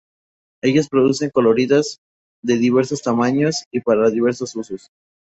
Ellas producen coloridas, de diversos tamaños y para diversos usos.